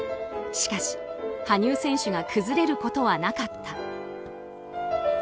しかし、羽生選手が崩れることはなかった。